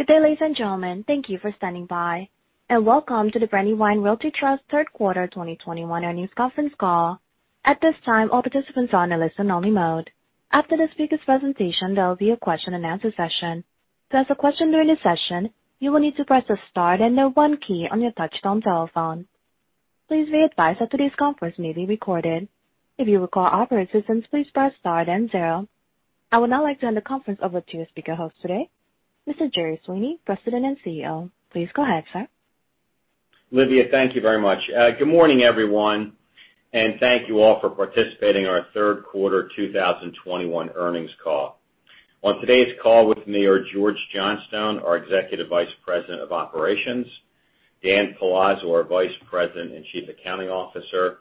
Good day, ladies and gentlemen. Thank you for standing by, and welcome to the Brandywine Realty Trust third quarter 2021 earnings conference call. At this time, all participants are in a listen-only mode. After the speakers' presentation, there will be a question-and-answer session. To ask a question during the session, you will need to press the star then the one key on your touchtone telephone. Please be advised that today's conference may be recorded. If you require operator assistance, please press star then zero. I would now like to hand the conference over to your speaker host today, Mr. Gerard Sweeney, President and CEO. Please go ahead, sir. Lydia, thank you very much. Good morning, everyone, and thank you all for participating in our third quarter 2021 earnings call. On today's call with me are George Johnstone, our Executive Vice President of Operations, Dan Palazzo, our Vice President and Chief Accounting Officer,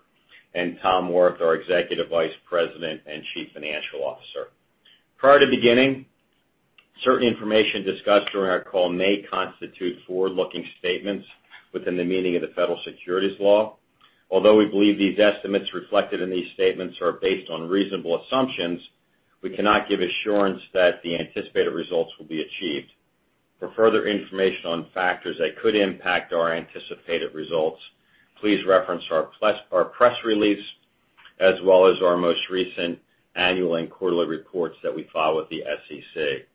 and Thomas Wirth, our Executive Vice President and Chief Financial Officer. Prior to beginning, certain information discussed during our call may constitute forward-looking statements within the meaning of the federal securities law. Although we believe these estimates reflected in these statements are based on reasonable assumptions, we cannot give assurance that the anticipated results will be achieved. For further information on factors that could impact our anticipated results, please reference our press release as well as our most recent annual and quarterly reports that we file with the SEC.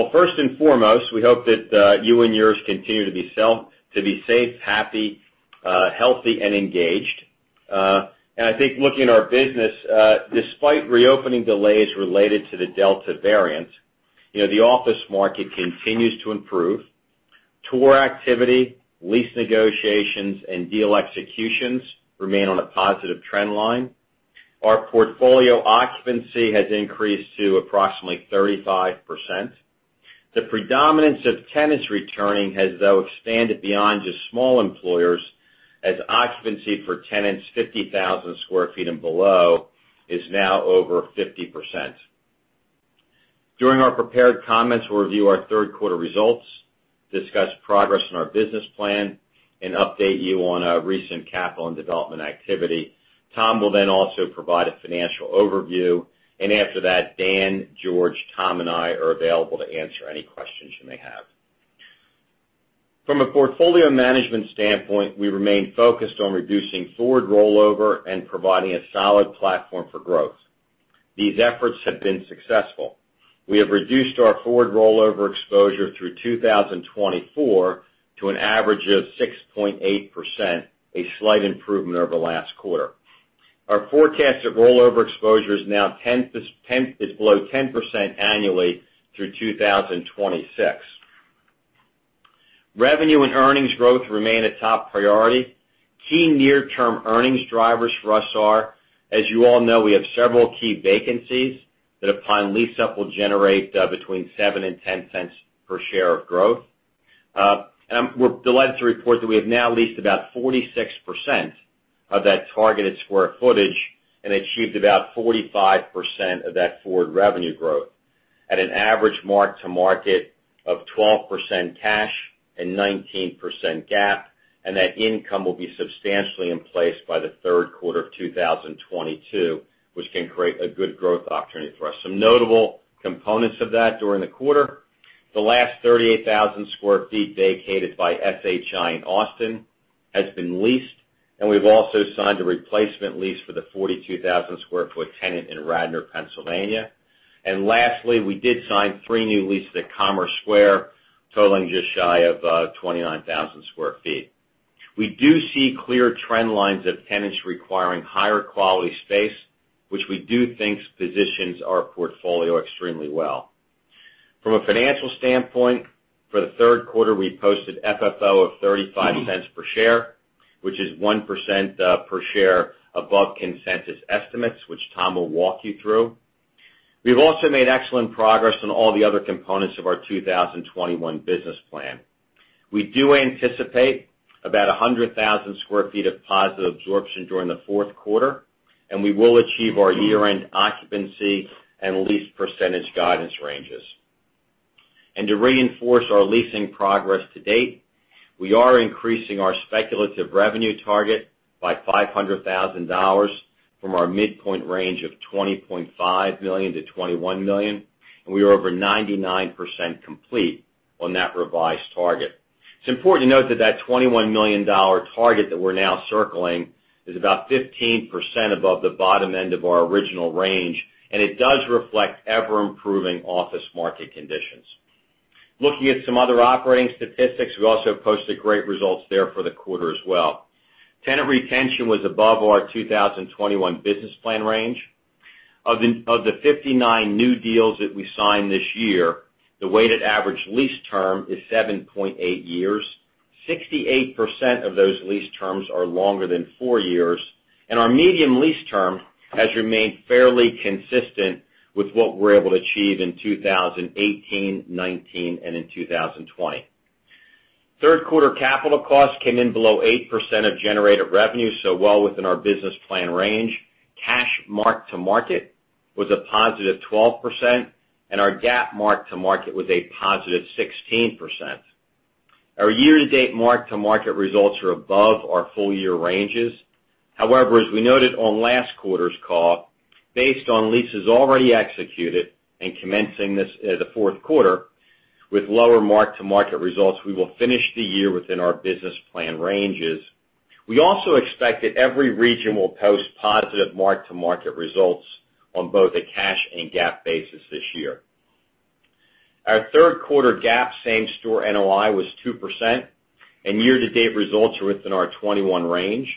Well, first and foremost, we hope that you and yours continue to be safe, happy, healthy, and engaged. I think looking at our business, despite reopening delays related to the Delta variant, you know, the office market continues to improve. Tour activity, lease negotiations, and deal executions remain on a positive trend line. Our portfolio occupancy has increased to approximately 35%. The predominance of tenants returning has, though, expanded beyond just small employers, as occupancy for tenants 50,000 sq ft and below is now over 50%. During our prepared comments, we'll review our third quarter results, discuss progress in our business plan, and update you on our recent capital and development activity. Tom will then also provide a financial overview. After that, Dan, George, Tom, and I are available to answer any questions you may have. From a portfolio management standpoint, we remain focused on reducing forward rollover and providing a solid platform for growth. These efforts have been successful. We have reduced our forward rollover exposure through 2024 to an average of 6.8%, a slight improvement over last quarter. Our forecast of rollover exposure is now below 10% annually through 2026. Revenue and earnings growth remain a top priority. Key near-term earnings drivers for us are, as you all know, we have several key vacancies that upon lease up will generate between $0.07-$0.10 per share of growth. We're delighted to report that we have now leased about 46% of that targeted square footage and achieved about 45% of that forward revenue growth at an average mark-to-market of 12% cash and 19% GAAP, and that income will be substantially in place by the third quarter of 2022, which can create a good growth opportunity for us. Some notable components of that during the quarter, the last 38,000 sq ft vacated by SHI in Austin has been leased, and we've also signed a replacement lease for the 42,000 sq ft tenant in Radnor, Pennsylvania. Lastly, we did sign three new leases at Commerce Square totaling just shy of 29,000 sq ft. We do see clear trend lines of tenants requiring higher quality space, which we do think positions our portfolio extremely well. From a financial standpoint, for the third quarter, we posted FFO of $0.35 per share, which is 1% per share above consensus estimates, which Tom will walk you through. We've also made excellent progress on all the other components of our 2021 business plan. We do anticipate about 100,000 sq ft of positive absorption during the fourth quarter, and we will achieve our year-end occupancy and lease percentage guidance ranges. To reinforce our leasing progress to date, we are increasing our speculative revenue target by $500,000 from our midpoint range of $20.5 million-$21 million, and we are over 99% complete on that revised target. It's important to note that $21 million target that we're now circling is about 15% above the bottom end of our original range, and it does reflect ever-improving office market conditions. Looking at some other operating statistics, we also posted great results there for the quarter as well. Tenant retention was above our 2021 business plan range. Of the 59 new deals that we signed this year, the weighted average lease term is 7.8 years. 68% of those lease terms are longer than four years, and our median lease term has remained fairly consistent with what we were able to achieve in 2018, 2019, and in 2020. Third quarter capital costs came in below 8% of generated revenue, so well within our business plan range. Cash mark-to-market was a positive 12%, and our GAAP mark-to-market was a positive 16%. Our year-to-date mark-to-market results are above our full year ranges. However, as we noted on last quarter's call, based on leases already executed and commencing this, the fourth quarter with lower mark-to-market results, we will finish the year within our business plan ranges. We also expect that every region will post positive mark-to-market results on both a cash and GAAP basis this year. Our third quarter GAAP same store NOI was 2%, and year-to-date results are within our 2021 range.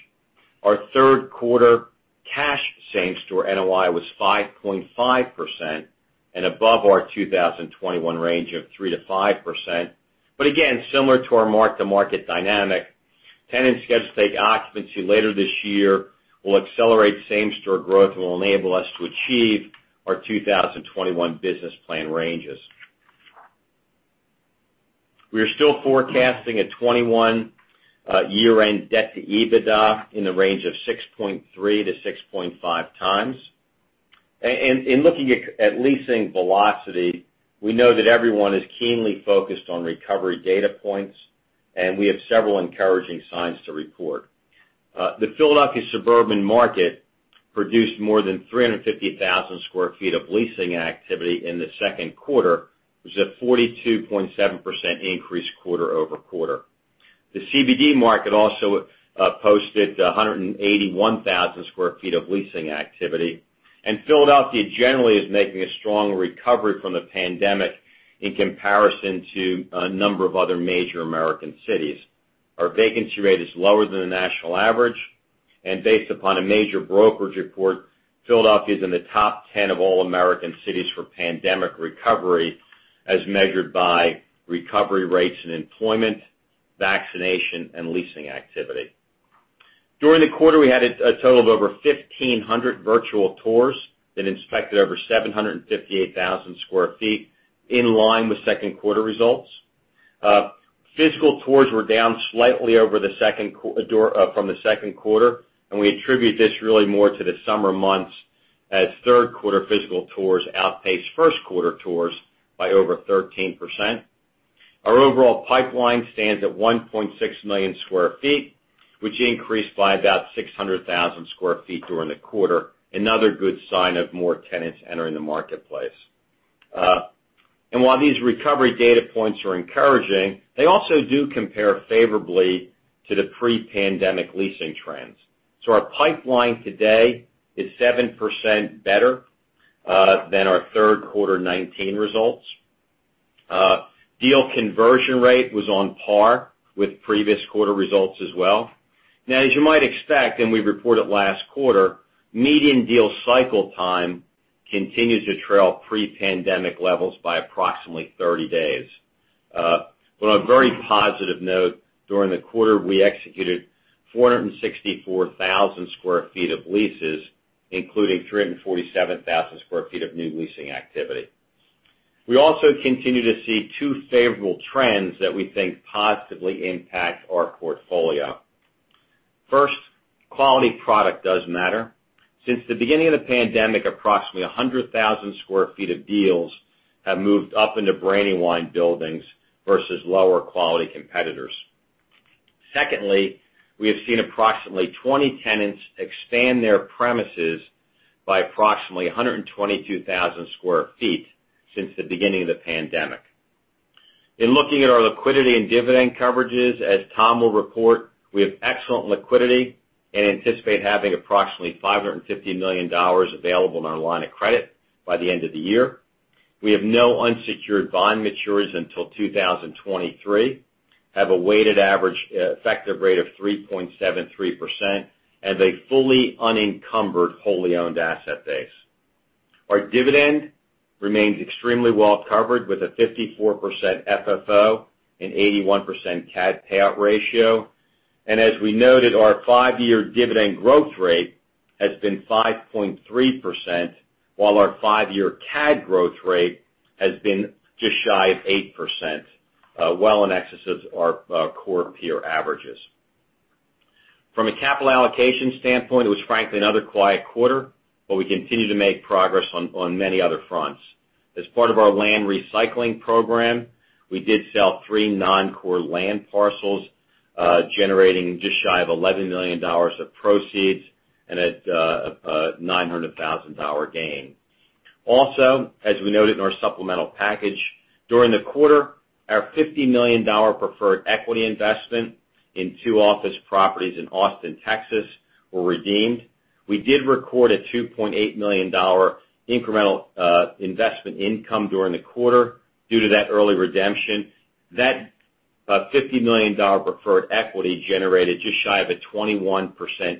Our third quarter cash same store NOI was 5.5% and above our 2021 range of 3%-5%. Again, similar to our mark-to-market dynamic, tenants scheduled to take occupancy later this year will accelerate same store growth and will enable us to achieve our 2021 business plan ranges. We are still forecasting a 2021 year-end debt to EBITDA in the range of 6.3-6.5x. And in looking at leasing velocity, we know that everyone is keenly focused on recovery data points, and we have several encouraging signs to report. The Philadelphia suburban market produced more than 350,000 sq ft of leasing activity in the second quarter. It was a 42.7% increase quarter-over-quarter. The CBD market also posted 181,000 sq ft of leasing activity, and Philadelphia generally is making a strong recovery from the pandemic in comparison to a number of other major American cities. Our vacancy rate is lower than the national average, and based upon a major brokerage report, Philadelphia is in the top 10 of all American cities for pandemic recovery, as measured by recovery rates in employment, vaccination, and leasing activity. During the quarter, we had a total of over 1,500 virtual tours that inspected over 758,000 sq ft, in line with second quarter results. Physical tours were down slightly from the second quarter, and we attribute this really more to the summer months as third quarter physical tours outpaced first quarter tours by over 13%. Our overall pipeline stands at 1.6 million sq ft, which increased by about 600,000 sq ft during the quarter, another good sign of more tenants entering the marketplace. While these recovery data points are encouraging, they also do compare favorably to the pre-pandemic leasing trends. Our pipeline today is 7% better than our third quarter 2019 results. Deal conversion rate was on par with previous quarter results as well. Now, as you might expect, and we reported last quarter, median deal cycle time continues to trail pre-pandemic levels by approximately 30 days. On a very positive note, during the quarter, we executed 464,000 sq ft of leases, including 347,000 sq ft of new leasing activity. We also continue to see two favorable trends that we think positively impact our portfolio. First, quality product does matter. Since the beginning of the pandemic, approximately 100,000 sq ft of deals have moved up into Brandywine buildings versus lower quality competitors. Secondly, we have seen approximately 20 tenants expand their premises by approximately 122,000 sq ft since the beginning of the pandemic. In looking at our liquidity and dividend coverages, as Tom will report, we have excellent liquidity and anticipate having approximately $550 million available in our line of credit by the end of the year. We have no unsecured bond maturities until 2023, have a weighted average effective rate of 3.73%, and a fully unencumbered, wholly owned asset base. Our dividend remains extremely well covered, with a 54% FFO and 81% CAD payout ratio. As we noted, our 5-year dividend growth rate has been 5.3%, while our 5-year CAD growth rate has been just shy of 8%, well in excess of our core peer averages. From a capital allocation standpoint, it was frankly another quiet quarter, but we continue to make progress on many other fronts. As part of our land recycling program, we did sell three non-core land parcels, generating just shy of $11 million of proceeds and at a $900,000 gain. Also, as we noted in our supplemental package, during the quarter, our $50 million preferred equity investment in two office properties in Austin, Texas, were redeemed. We did record a $2.8 million incremental investment income during the quarter due to that early redemption. That $50 million preferred equity generated just shy of a 21%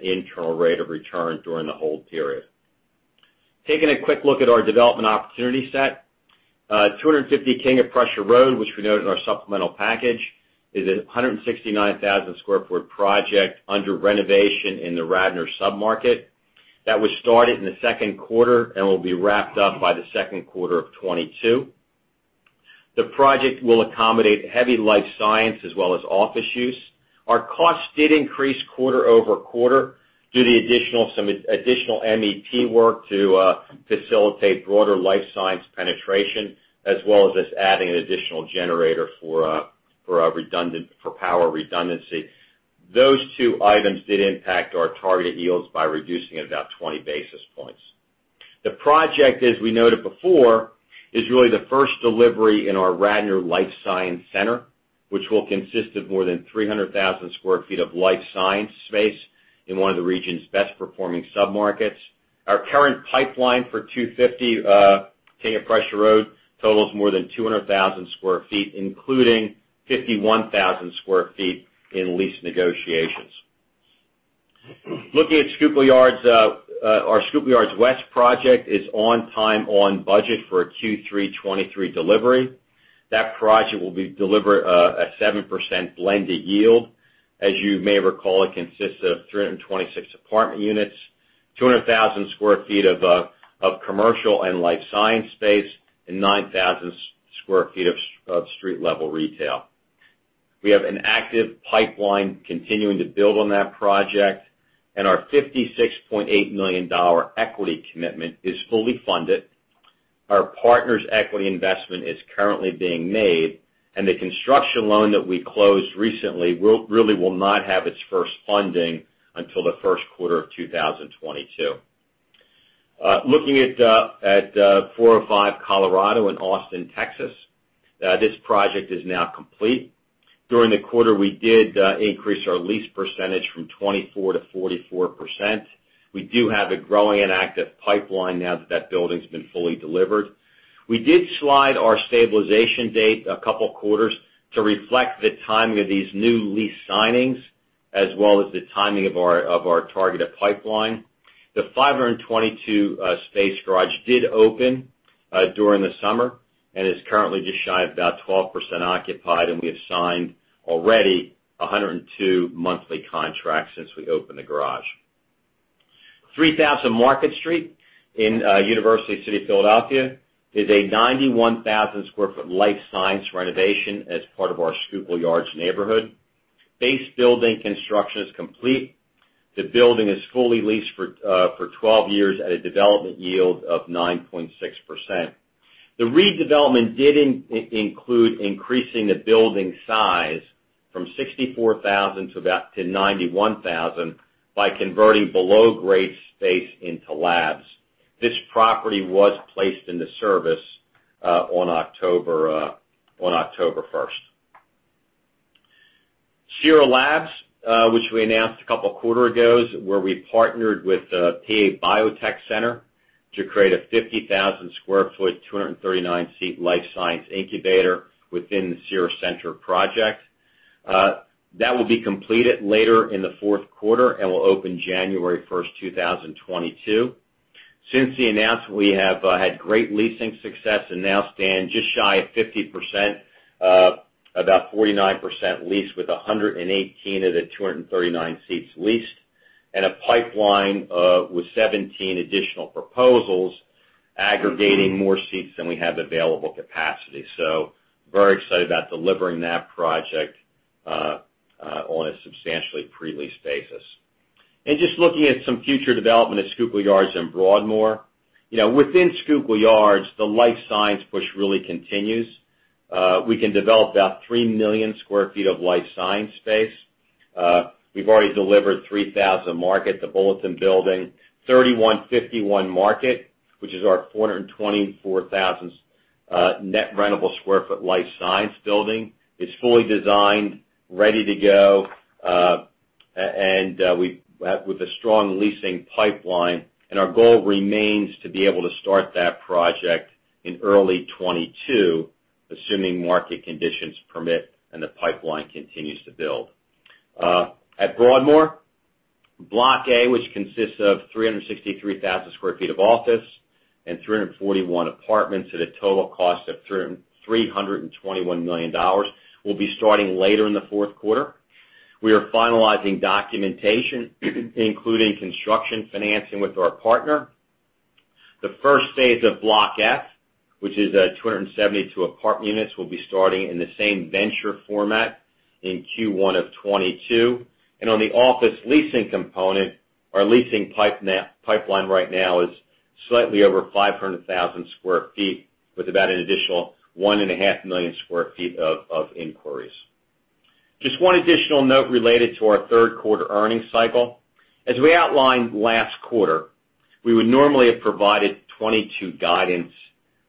internal rate of return during the hold period. Taking a quick look at our development opportunity set, 250 King of Prussia Road, which we noted in our supplemental package, is a 169,000 sq ft project under renovation in the Radnor submarket that was started in the second quarter and will be wrapped up by the second quarter of 2022. The project will accommodate heavy life science as well as office use. Our costs did increase quarter-over-quarter due to some additional MEP work to facilitate broader life science penetration, as well as us adding an additional generator for power redundancy. Those two items did impact our target yields by reducing it about 20 basis points. The project, as we noted before, is really the first delivery in our Radnor Life Science Center, which will consist of more than 300,000 sq ft of life science space in one of the region's best performing submarkets. Our current pipeline for 250 King of Prussia Road totals more than 200,000 sq ft, including 51,000 sq ft in lease negotiations. Looking at Schuylkill Yards, our Schuylkill Yards West project is on time, on budget for a Q3 2023 delivery. That project will be delivered at 7% blended yield. As you may recall, it consists of 326 apartment units, 200,000 sq ft of commercial and life science space, and 9,000 sq ft of street level retail. We have an active pipeline continuing to build on that project, and our $56.8 million equity commitment is fully funded. Our partners' equity investment is currently being made, and the construction loan that we closed recently will not have its first funding until the first quarter of 2022. Looking at 405 Colorado in Austin, Texas, this project is now complete. During the quarter, we did increase our lease percentage from 24%-44%. We do have a growing and active pipeline now that the building's been fully delivered. We did slide our stabilization date a couple quarters to reflect the timing of these new lease signings, as well as the timing of our targeted pipeline. The 522-space garage did open during the summer and is currently just shy of about 12% occupied, and we have signed already 102 monthly contracts since we opened the garage. 3,000 Market Street in University City, Philadelphia, is a 91,000 sq ft life science renovation as part of our Schuylkill Yards neighborhood. Base building construction is complete. The building is fully leased for 12 years at a development yield of 9.6%. The redevelopment did include increasing the building size from 64,000 to about 91,000 by converting below grade space into labs. This property was placed into service on October first. Cira Labs, which we announced a couple quarters ago, is where we partnered with Pennsylvania Biotechnology Center to create a 50,000 sq ft, 239-seat life science incubator within the Cira Centre project. That will be completed later in the fourth quarter and will open January 1, 2022. Since the announcement, we have had great leasing success and now stand just shy of 50%, about 49% leased with 118 of the 239 seats leased and a pipeline with 17 additional proposals aggregating more seats than we have available capacity. Very excited about delivering that project on a substantially pre-leased basis. Just looking at some future development at Schuylkill Yards and Broadmoor. You know, within Schuylkill Yards, the life science push really continues. We can develop about 3 million sq ft of life science space. We've already delivered 3000 Market, the Bulletin Building. 3151 Market, which is our 424,000 net rentable sq ft life science building, is fully designed, ready to go, with a strong leasing pipeline. Our goal remains to be able to start that project in early 2022, assuming market conditions permit and the pipeline continues to build. At Broadmoor, Block A, which consists of 363,000 sq ft of office and 341 apartments at a total cost of $321 million, will be starting later in the fourth quarter. We are finalizing documentation, including construction financing with our partner. The first phase of Block F, which is 272 apartment units, will be starting in the same venture format in Q1 of 2022. On the office leasing component, our leasing pipeline right now is slightly over 500,000 sq ft with about an additional 1.5 million sq ft of inquiries. Just one additional note related to our third quarter earnings cycle. As we outlined last quarter, we would normally have provided 2022 guidance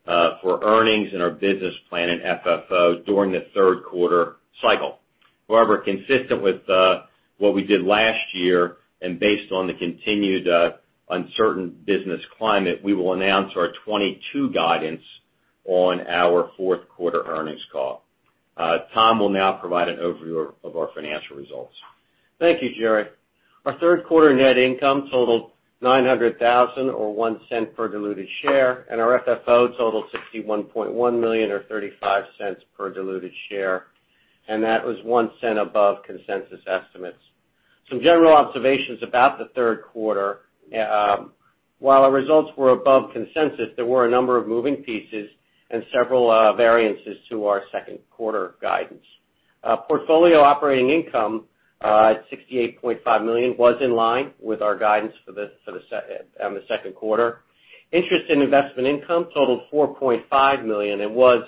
for earnings in our business plan and FFO during the third quarter cycle. However, consistent with what we did last year and based on the continued uncertain business climate, we will announce our 2022 guidance on our fourth quarter earnings call. Tom will now provide an overview of our financial results. Thank you, Jerry. Our third quarter net income totaled $900,000 or $0.01 per diluted share, and our FFO totaled $61.1 million or $0.35 per diluted share, and that was $0.01 above consensus estimates. Some general observations about the third quarter. While our results were above consensus, there were a number of moving pieces and several variances to our second quarter guidance. Portfolio operating income at $68.5 million was in line with our guidance for the second quarter. Interest and investment income totaled $4.5 million and was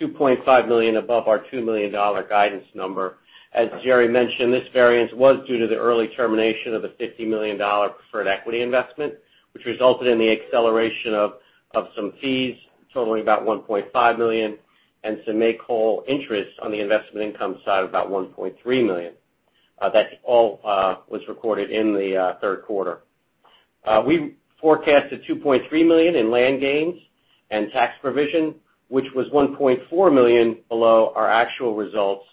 $2.5 million above our $2 million guidance number. As Jerry mentioned, this variance was due to the early termination of a $50 million preferred equity investment, which resulted in the acceleration of some fees totaling about $1.5 million, and some make-whole interest on the investment income side of about $1.3 million. That all was recorded in the third quarter. We forecasted $2.3 million in land gains and tax provision, which was $1.4 million below our actual results.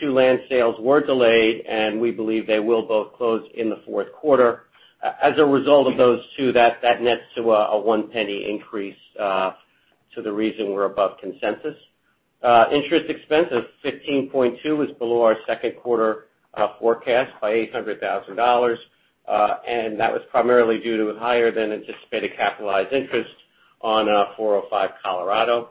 Two land sales were delayed, and we believe they will both close in the fourth quarter. As a result of those two, that nets to a one penny increase to the reason we're above consensus. Interest expense of $15.2 million was below our second quarter forecast by $800,000, and that was primarily due to a higher than anticipated capitalized interest on 405 Colorado.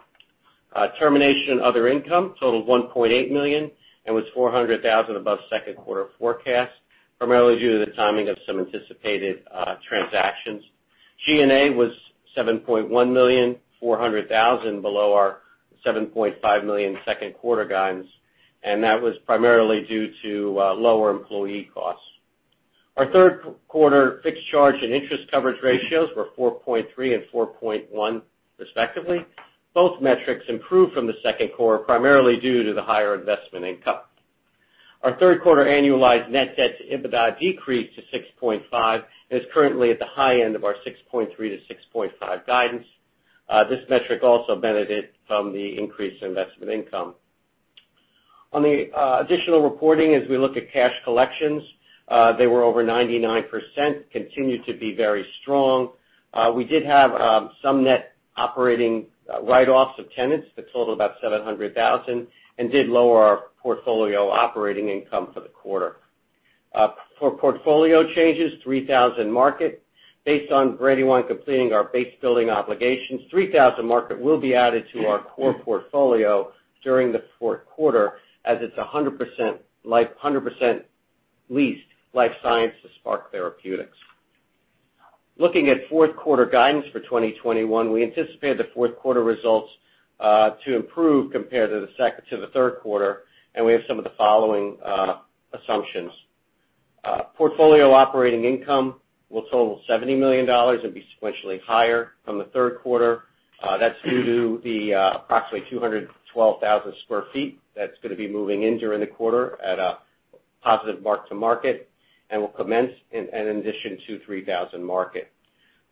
Termination other income totaled $1.8 million and was $400,000 above second quarter forecast, primarily due to the timing of some anticipated transactions. G&A was $7.1 million, $400,000 below our $7.5 million second quarter guidance, and that was primarily due to lower employee costs. Our third quarter fixed charge and interest coverage ratios were 4.3 and 4.1 respectively. Both metrics improved from the second quarter, primarily due to the higher investment income. Our third quarter annualized net debt to EBITDA decreased to 6.5, and is currently at the high end of our 6.3-6.5 guidance. This metric also benefited from the increased investment income. On the additional reporting, as we look at cash collections, they were over 99%, continued to be very strong. We did have some net operating write-offs of tenants that totaled about $700,000 and did lower our portfolio operating income for the quarter. For portfolio changes, 3000 Market. Based on Brandywine completing our base building obligations, 3000 Market will be added to our core portfolio during the fourth quarter, as it's 100% leased life sciences Spark Therapeutics. Looking at fourth quarter guidance for 2021, we anticipate the fourth quarter results to improve compared to the third quarter, and we have some of the following assumptions. Portfolio operating income will total $70 million and be sequentially higher from the third quarter. That's due to the approximately 212,000 sq ft that's gonna be moving in during the quarter at a positive mark-to-market and will commence in addition to 3,000 sq ft at market.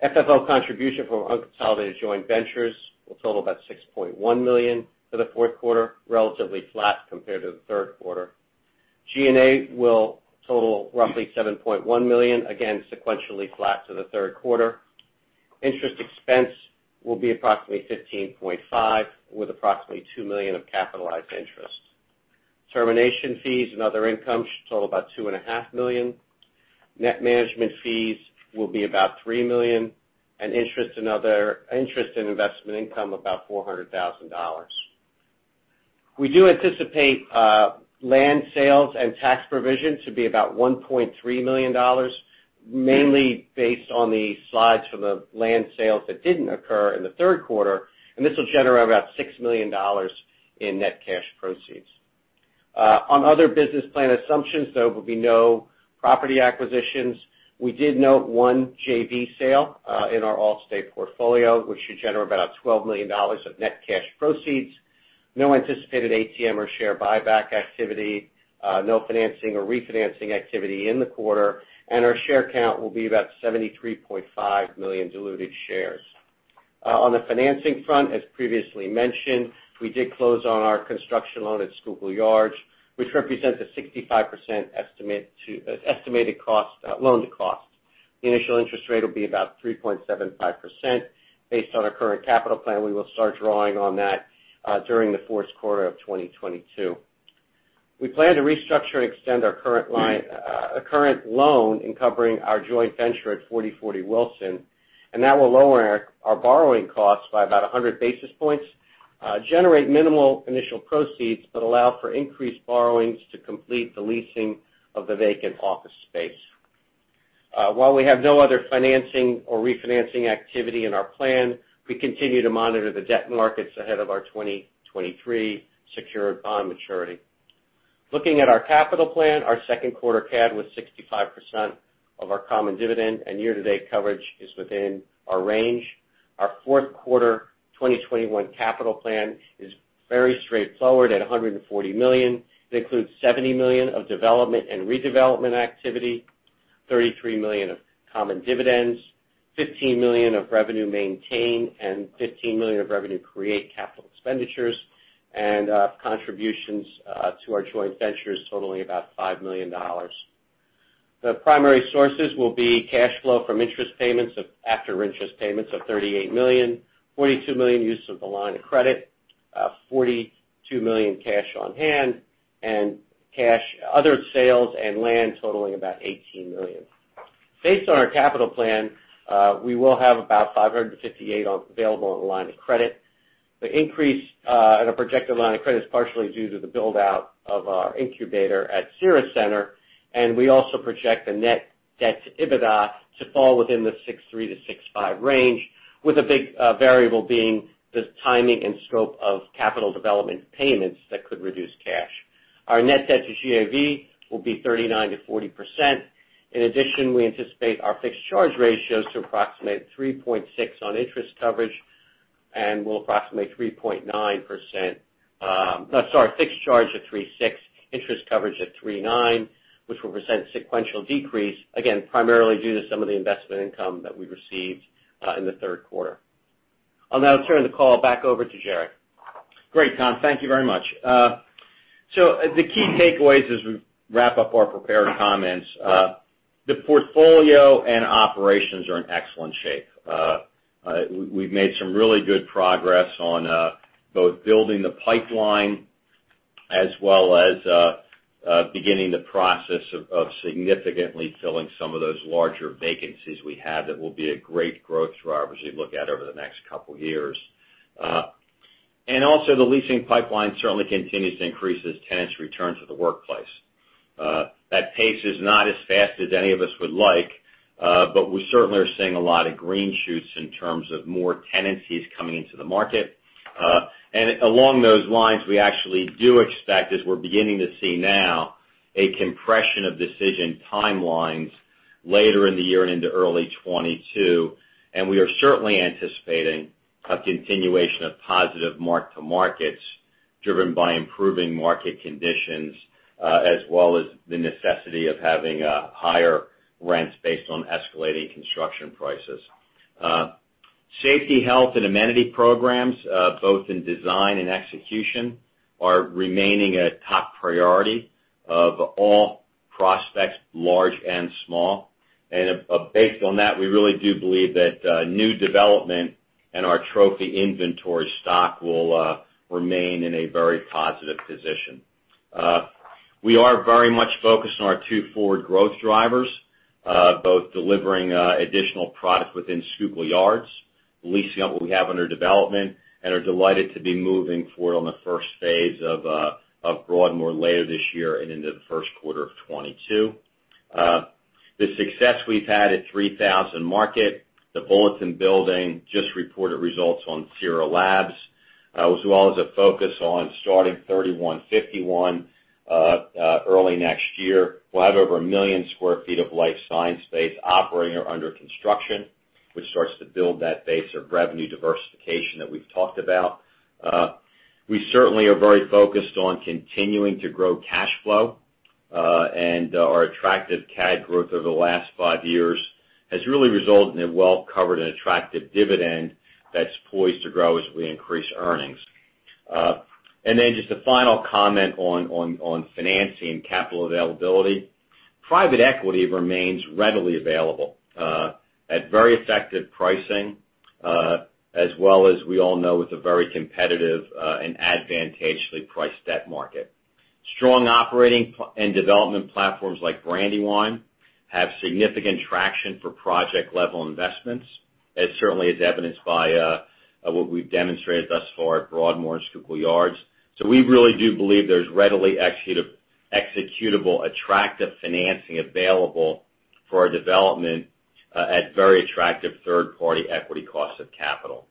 FFO contribution from unconsolidated joint ventures will total about $6.1 million for the fourth quarter, relatively flat compared to the third quarter. G&A will total roughly $7.1 million, again, sequentially flat to the third quarter. Interest expense will be approximately $15.5 million, with approximately $2 million of capitalized interest. Termination fees and other income should total about $2.5 million. Net management fees will be about $3 million, and interest and investment income about $400,000. We do anticipate land sales and tax provision to be about $1.3 million, mainly based on the slides from the land sales that didn't occur in the third quarter, and this will generate about $6 million in net cash proceeds. On other business plan assumptions, there will be no property acquisitions. We did note one JV sale in our Allstate portfolio, which should generate about $12 million of net cash proceeds. No anticipated ATM or share buyback activity, no financing or refinancing activity in the quarter, and our share count will be about 73.5 million diluted shares. On the financing front, as previously mentioned, we did close on our construction loan at Schuylkill Yards, which represents a 65% estimated cost, loan to cost. The initial interest rate will be about 3.75%. Based on our current capital plan, we will start drawing on that during the fourth quarter of 2022. We plan to restructure and extend our current loan in covering our joint venture at 4040 Wilson, and that will lower our borrowing costs by about 100 basis points, generate minimal initial proceeds, but allow for increased borrowings to complete the leasing of the vacant office space. While we have no other financing or refinancing activity in our plan, we continue to monitor the debt markets ahead of our 2023 secured bond maturity. Looking at our capital plan, our second quarter CAD was 65% of our common dividend, and year-to-date coverage is within our range. Our fourth quarter 2021 capital plan is very straightforward at $140 million. It includes $70 million of development and redevelopment activity, $33 million of common dividends, $15 million of revenue maintenance, and $15 million of revenue creation capital expenditures, and contributions to our joint ventures totaling about $5 million. The primary sources will be cash flow after interest payments of $38 million, $42 million use of the line of credit. $42 million cash on hand and cash, other sales and land totaling about $18 million. Based on our capital plan, we will have about $558 million available on the line of credit. The increase on a projected line of credit is partially due to the build-out of our incubator at Cira Centre, and we also project the net debt to EBITDA to fall within the 6.3-6.5 range, with a big variable being the timing and scope of capital development payments that could reduce cash. Our net debt to GAV will be 39%-40%. In addition, we anticipate our fixed charge ratios to approximate 3.6 on interest coverage and will approximate 3.9%, No, sorry, fixed charge of 3.6, interest coverage of 3.9, which will present sequential decrease, again, primarily due to some of the investment income that we received in the third quarter. I'll now turn the call back over to Jerry. Great, Tom. Thank you very much. The key takeaways as we wrap up our prepared comments. The portfolio and operations are in excellent shape. We've made some really good progress on both building the pipeline as well as beginning the process of significantly filling some of those larger vacancies we have that will be a great growth driver as we look out over the next couple years. The leasing pipeline certainly continues to increase as tenants return to the workplace. That pace is not as fast as any of us would like, but we certainly are seeing a lot of green shoots in terms of more tenancies coming into the market. Along those lines, we actually do expect, as we're beginning to see now, a compression of decision timelines later in the year and into early 2022, and we are certainly anticipating a continuation of positive mark-to-markets driven by improving market conditions, as well as the necessity of having higher rents based on escalating construction prices. Safety, health, and amenity programs, both in design and execution, are remaining a top priority of all prospects, large and small. Based on that, we really do believe that new development and our trophy inventory stock will remain in a very positive position. We are very much focused on our two forward growth drivers, both delivering additional product within Schuylkill Yards, leasing out what we have under development, and are delighted to be moving forward on the first phase of Broadmoor later this year and into the first quarter of 2022. The success we've had at 3000 Market, the Bulletin Building just reported results on Cira Labs, as well as a focus on starting 3151 Market early next year. We'll have over 1 million sq ft of life science space operating or under construction, which starts to build that base of revenue diversification that we've talked about. We certainly are very focused on continuing to grow cash flow, and our attractive CAD growth over the last five years has really resulted in a well-covered and attractive dividend that's poised to grow as we increase earnings. Then just a final comment on financing capital availability. Private equity remains readily available at very effective pricing, as well as we all know, it's a very competitive and advantageously priced debt market. Strong operating and development platforms like Brandywine have significant traction for project-level investments, as certainly as evidenced by what we've demonstrated thus far at Broadmoor and Schuylkill Yards. We really do believe there's readily executable, attractive financing available for our development at very attractive third-party equity cost of capital.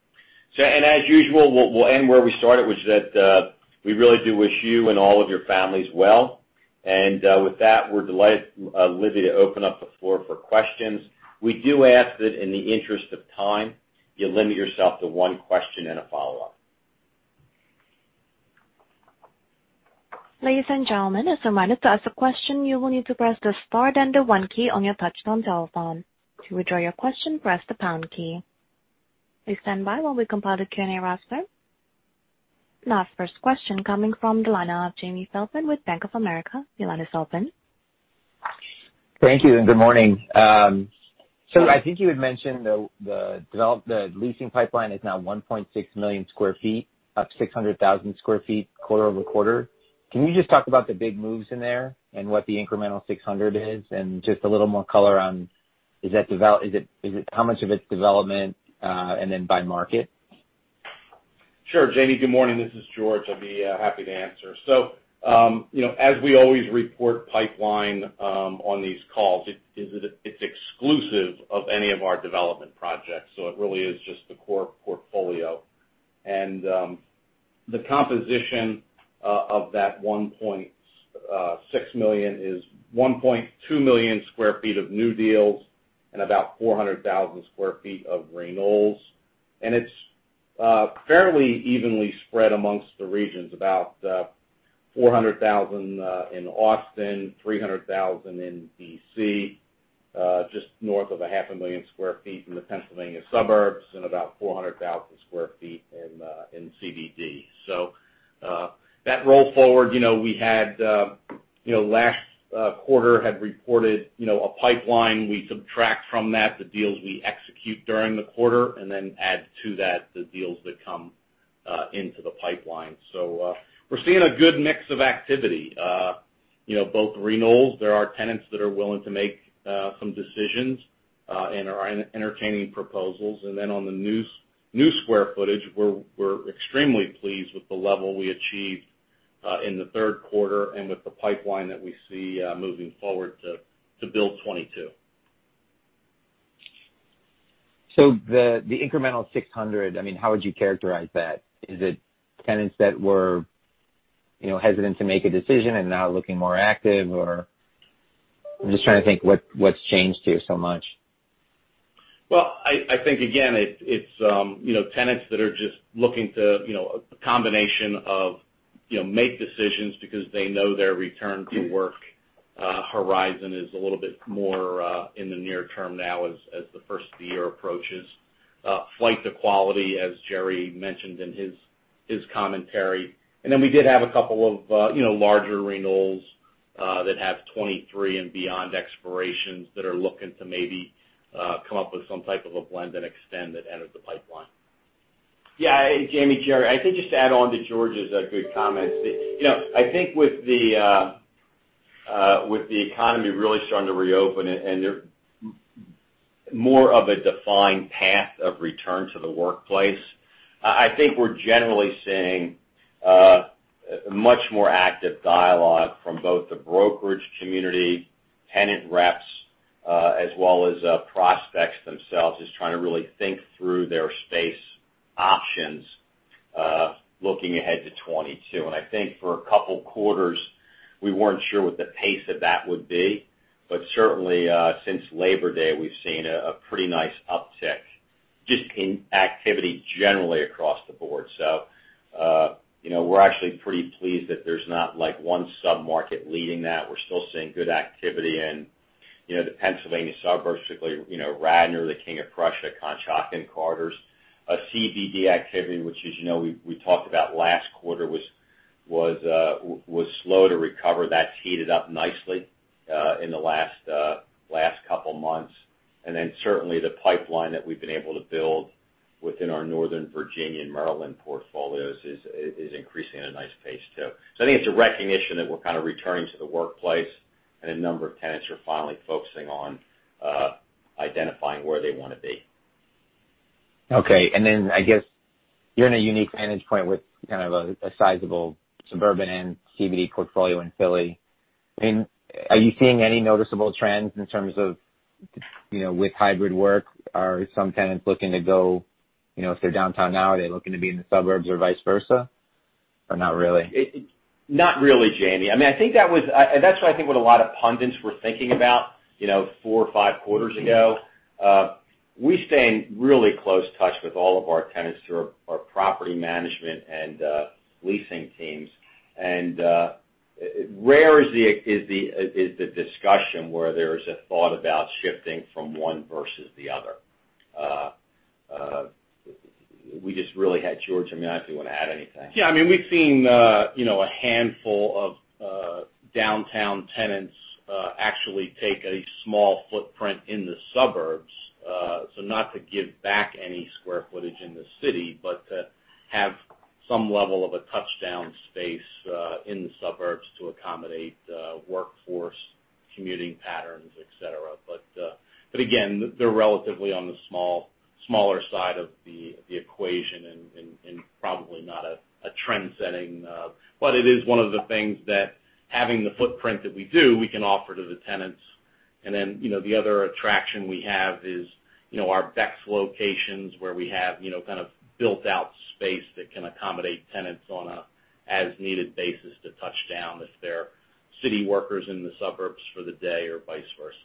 As usual, we'll end where we started, which is that we really do wish you and all of your families well. With that, we're delighted, Lydia, to open up the floor for questions. We do ask that in the interest of time, you limit yourself to one question and a follow-up. Ladies and gentlemen, as a reminder, to ask a question, you will need to press the star then the one key on your touchtone telephone. To withdraw your question, press the pound key. Please stand by while we compile the Q&A roster. Now, first question coming from the line of Jamie Feldman with Bank of America. Your line is open. Thank you, and good morning. I think you had mentioned the leasing pipeline is now 1.6 million sq ft, up 600,000 sq ft quarter-over-quarter. Can you just talk about the big moves in there and what the incremental 600,000 is and just a little more color on how much of it's development, and then by market? Sure, Jamie. Good morning. This is George. I'd be happy to answer. You know, as we always report pipeline on these calls, it's exclusive of any of our development projects. It really is just the core portfolio. The composition of that 1.6 million is 1.2 million sq ft of new deals and about 400,000 sq ft of renewals. It's fairly evenly spread among the regions, about 400,000 in Austin, 300,000 in D.C., just north of 500,000 sq ft in the Pennsylvania suburbs, and about 400,000 sq ft in CBD. That roll forward, you know, we had, you know, last quarter had reported, you know, a pipeline. We subtract from that the deals we execute during the quarter and then add to that the deals that come into the pipeline. We're seeing a good mix of activity. You know, both renewals, there are tenants that are willing to make some decisions and are entertaining proposals. On the new square footage, we're extremely pleased with the level we achieved in the third quarter and with the pipeline that we see moving forward to build 2022. The incremental 600, I mean, how would you characterize that? Is it tenants that were, you know, hesitant to make a decision and now looking more active, or I'm just trying to think what's changed here so much. Well, I think, again, it's you know, tenants that are just looking to, you know, a combination of, you know, make decisions because they know their return to work horizon is a little bit more in the near term now as the first of the year approaches. Flight to quality, as Jerry mentioned in his commentary. We did have a couple of you know, larger renewals that have 2023 and beyond expirations that are looking to maybe come up with some type of a blend and extend that entered the pipeline. Yeah. Jamie, Jerry, I think just to add on to George's good comments. You know, I think with the economy really starting to reopen and there more of a defined path of return to the workplace, I think we're generally seeing a much more active dialogue from both the brokerage community, tenant reps, as well as prospects themselves, just trying to really think through their space options, looking ahead to 2022. I think for a couple quarters, we weren't sure what the pace of that would be. Certainly, since Labor Day, we've seen a pretty nice uptick just in activity generally across the board. You know, we're actually pretty pleased that there's not like one sub-market leading that. We're still seeing good activity in, you know, the Pennsylvania suburbs, particularly, you know, Radnor, the King of Prussia, Conshohocken, corridors. CBD activity, which as you know we talked about last quarter was slow to recover. That's heated up nicely in the last couple months. Then certainly the pipeline that we've been able to build within our Northern Virginia and Maryland portfolios is increasing at a nice pace too. I think it's a recognition that we're kind of returning to the workplace, and a number of tenants are finally focusing on identifying where they wanna be. Okay. I guess you're in a unique vantage point with kind of a sizable suburban and CBD portfolio in Philly. I mean, are you seeing any noticeable trends in terms of, you know, with hybrid work? Are some tenants looking to go, you know, if they're downtown now, are they looking to be in the suburbs or vice versa? Or not really? Not really, Jamie. I mean, I think that's what I think what a lot of pundits were thinking about, you know, four or five quarters ago. We stay in really close touch with all of our tenants through our property management and leasing teams. Rare is the discussion where there's a thought about shifting from one versus the other. We just really had George. I mean, I don't think you wanna add anything. Yeah. I mean, we've seen you know, a handful of downtown tenants actually take a small footprint in the suburbs. Not to give back any square footage in the city, but to have some level of a touchdown space in the suburbs to accommodate workforce commuting patterns, et cetera. Again, they're relatively on the smaller side of the equation and probably not a trendsetting. It is one of the things that having the footprint that we do, we can offer to the tenants. Then, you know, the other attraction we have is, you know, our BEX locations where we have, you know, kind of built out space that can accommodate tenants on an as-needed basis to touch down if they're city workers in the suburbs for the day or vice versa.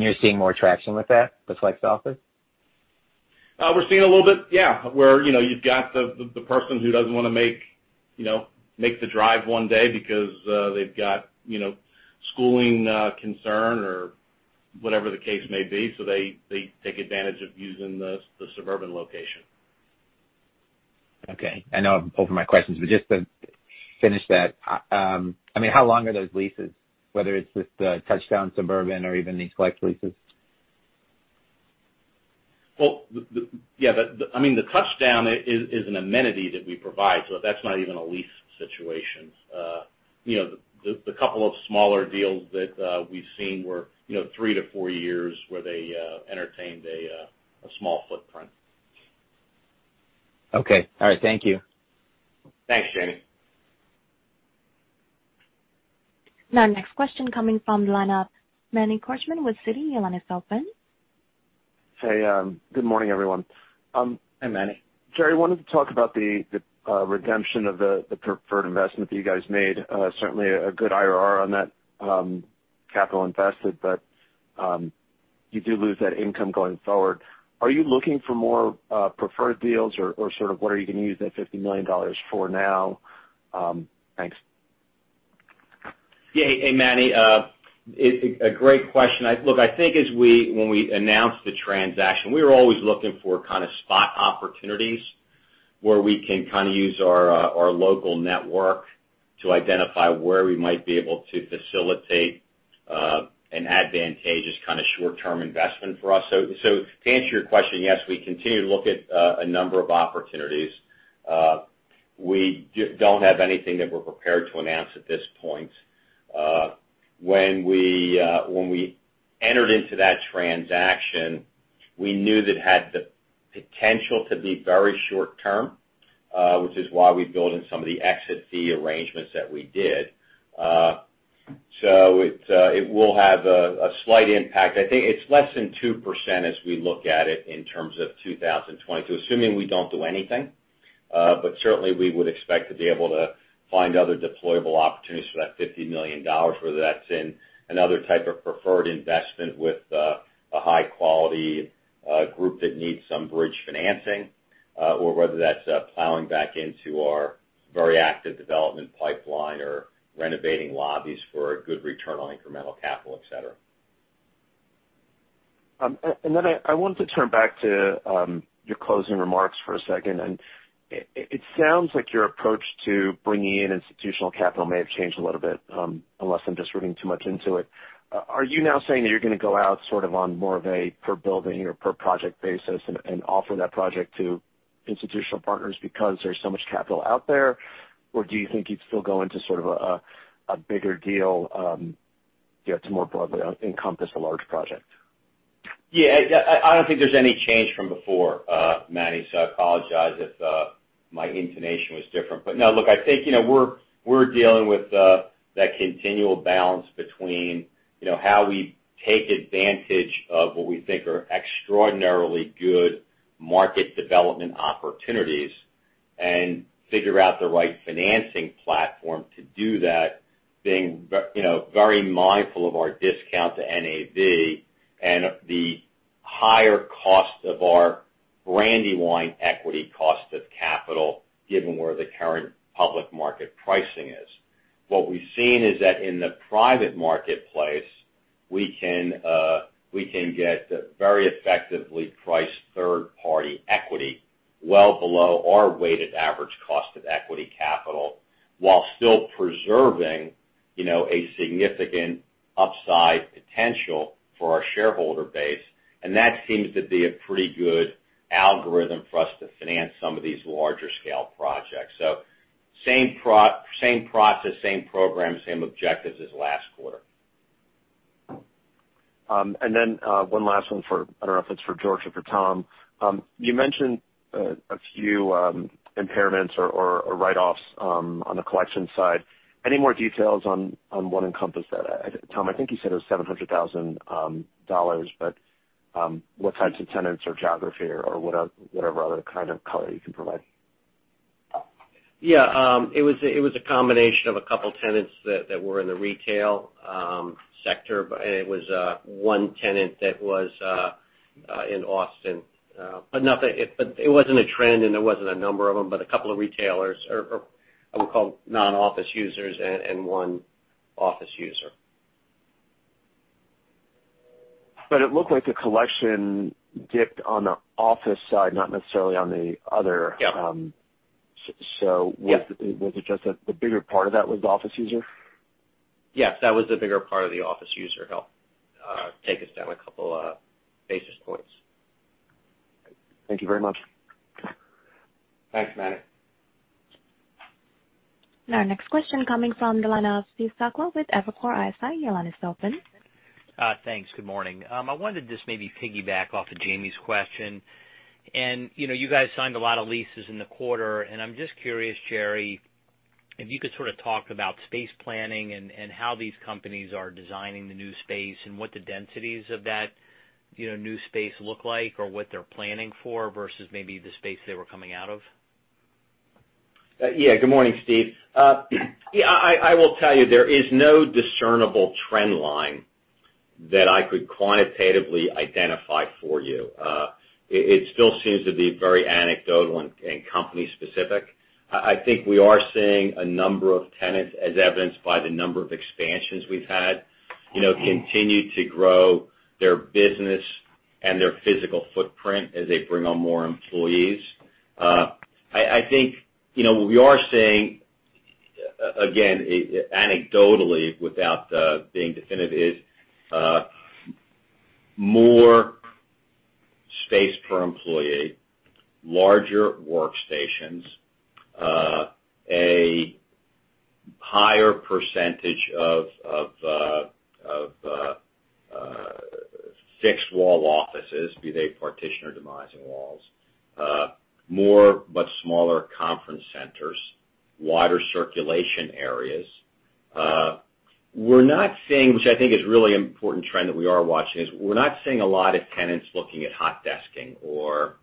You're seeing more traction with that, the flex office? We're seeing a little bit, yeah, where, you know, you've got the person who doesn't wanna make the drive one day because they've got, you know, schooling concern or whatever the case may be, so they take advantage of using the suburban location. I know I'm over my questions, but just to finish that, I mean, how long are those leases, whether it's with the touchdown suburban or even these flex leases? Well, yeah, I mean, the touchdown is an amenity that we provide, so that's not even a lease situation. You know, the couple of smaller deals that we've seen were, you know, 3-4 years where they entertained a small footprint. Okay. All right. Thank you. Thanks, Jamie. Now next question coming from the line of Manny Korchman with Citi. Your line is open. Hey, good morning, everyone. Hey, Manny. Jerry, wanted to talk about the redemption of the preferred investment that you guys made. Certainly a good IRR on that capital invested, but you do lose that income going forward. Are you looking for more preferred deals, or sort of what are you gonna use that $50 million for now? Thanks. Yeah. Hey, Manny, it's a great question. Look, I think when we announced the transaction, we were always looking for kind of spot opportunities where we can kind of use our local network to identify where we might be able to facilitate an advantageous kind of short-term investment for us. To answer your question, yes, we continue to look at a number of opportunities. We don't have anything that we're prepared to announce at this point. When we entered into that transaction, we knew that it had the potential to be very short term, which is why we built in some of the exit fee arrangements that we did. It will have a slight impact. I think it's less than 2% as we look at it in terms of 2022, assuming we don't do anything. Certainly we would expect to be able to find other deployable opportunities for that $50 million, whether that's in another type of preferred investment with a high quality group that needs some bridge financing, or whether that's plowing back into our very active development pipeline or renovating lobbies for a good return on incremental capital, et cetera. I wanted to turn back to your closing remarks for a second. It sounds like your approach to bringing in institutional capital may have changed a little bit, unless I'm just reading too much into it. Are you now saying that you're gonna go out sort of on more of a per building or per project basis and offer that project to institutional partners because there's so much capital out there? Do you think you'd still go into sort of a bigger deal, you know, to more broadly encompass a large project? Yeah. I don't think there's any change from before, Manny, so I apologize if my intonation was different. No, look, I think, you know, we're dealing with that continual balance between, you know, how we take advantage of what we think are extraordinarily good market development opportunities and figure out the right financing platform to do that, being very mindful of our discount to NAV and the higher cost of our Brandywine equity cost of capital, given where the current public market pricing is. What we've seen is that in the private marketplace, we can get very effectively priced third-party equity well below our weighted average cost of equity capital, while still preserving, you know, a significant upside potential for our shareholder base. That seems to be a pretty good algorithm for us to finance some of these larger scale projects. Same process, same program, same objectives as last quarter. One last one for, I don't know if it's for George or for Tom. You mentioned a few impairments or write-offs on the collection side. Any more details on what encompassed that? Tom, I think you said it was $700,000, but what types of tenants or geography or whatever other kind of color you can provide. Yeah. It was a combination of a couple tenants that were in the retail sector, and it was one tenant that was in Austin. But it wasn't a trend, and there wasn't a number of them, but a couple of retailers or I would call non-office users and one office user. It looked like the collection dipped on the office side, not necessarily on the other. Yeah. Was it just that the bigger part of that was the office user? Yes, that was the bigger part of the office use helped take us down a couple basis points. Thank you very much. Thanks, Manny. Our next question coming from the line of Steve Sakwa with Evercore ISI. Your line is open. Thanks. Good morning. I wanted to just maybe piggyback off of Jamie's question. You know, you guys signed a lot of leases in the quarter, and I'm just curious, Jerry, if you could sort of talk about space planning and how these companies are designing the new space and what the densities of that, you know, new space look like or what they're planning for versus maybe the space they were coming out of. Yeah. Good morning, Steve. Yeah, I will tell you there is no discernible trend line that I could quantitatively identify for you. It still seems to be very anecdotal and company specific. I think we are seeing a number of tenants as evidenced by the number of expansions we've had, you know, continue to grow their business and their physical footprint as they bring on more employees. I think, you know, we are seeing, again, anecdotally without being definitive, more space per employee, larger workstations, a higher percentage of fixed wall offices, be they partition or demising walls, more but smaller conference centers, wider circulation areas. We're not seeing, which I think is really important trend that we are watching, is we're not seeing a lot of tenants looking at hot desking or,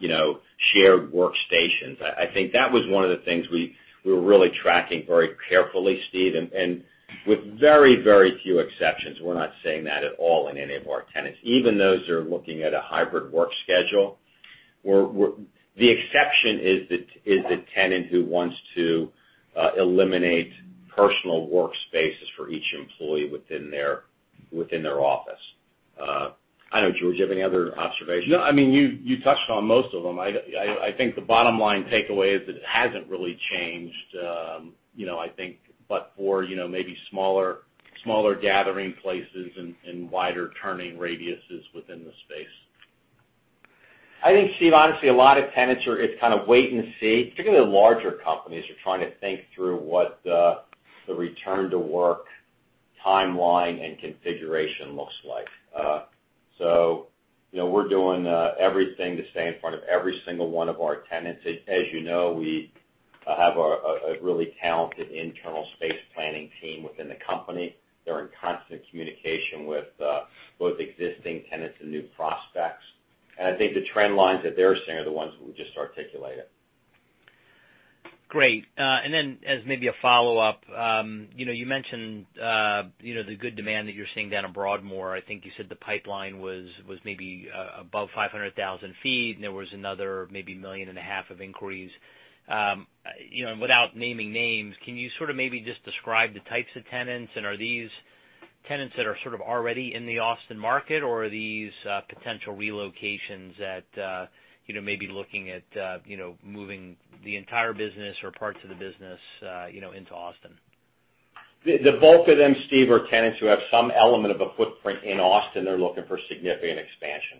you know, shared workstations. I think that was one of the things we were really tracking very carefully, Steve. With very, very few exceptions, we're not seeing that at all in any of our tenants. Even those who are looking at a hybrid work schedule. The exception is the tenant who wants to eliminate personal workspaces for each employee within their office. I don't know, George, you have any other observations? No. I mean, you touched on most of them. I think the bottom line takeaway is that it hasn't really changed, you know, I think, but for, you know, maybe smaller gathering places and wider turning radiuses within the space. I think, Steve, honestly, a lot of tenants are—it's kind of wait and see, particularly the larger companies are trying to think through what the return-to-work timeline and configuration looks like. We're doing everything to stay in front of every single one of our tenants. As you know, we have a really talented internal space planning team within the company. They're in constant communication with both existing tenants and new prospects. I think the trend lines that they're seeing are the ones we've just articulated. Great. As maybe a follow-up, you know, you mentioned, you know, the good demand that you're seeing down at Broadmoor. I think you said the pipeline was maybe above 500,000 sq ft, and there was another maybe 1.5 million sq ft of inquiries. You know, and without naming names, can you sort of maybe just describe the types of tenants, and are these tenants that are sort of already in the Austin market, or are these potential relocations that, you know, may be looking at moving the entire business or parts of the business, you know, into Austin? The bulk of them, Steve, are tenants who have some element of a footprint in Austin. They're looking for significant expansion.